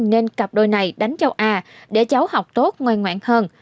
nên cặp đôi này đánh châu a để châu học tốt ngoan ngoãn hơn